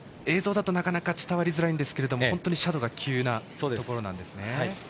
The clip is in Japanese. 映像だと、なかなか伝わりづらいんですけれども本当に斜度が急なところですね。